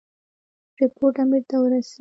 رپوټ امیر ته ورسېد.